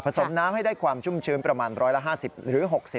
สมน้ำให้ได้ความชุ่มชื้นประมาณ๑๕๐หรือ๖๐